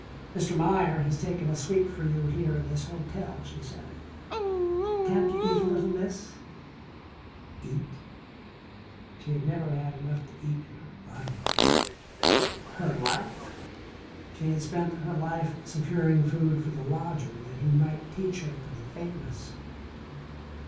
"Mr. Meier has taken a suite for you here in this hotel," she said. "Can't you eat a little, Miss?" Eat? She had never had enough to eat in her life. Her life? She had spent her life securing food for the lodger that he might teach her to be famous.